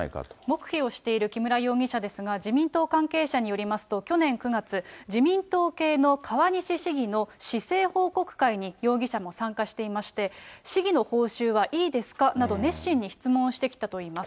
黙秘をしている木村容疑者ですが、自民党関係者によりますと、去年９月、自民党系の川西市議の市政報告会に容疑者は参加していまして、市議の報酬はいいですかなど、熱心に質問してきたといいます。